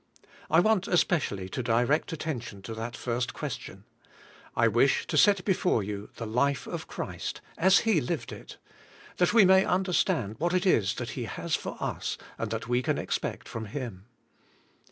I want especially to direct attention to that first question. I wish to set before you the life of Christ as He lived it, that we may understand what it is that He has for us and that we can expect from Him.